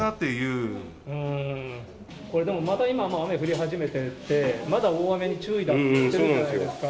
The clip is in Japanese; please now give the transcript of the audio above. これでも、また今雨降り始めてて、まだ大雨に注意だって言ってるじゃないですか。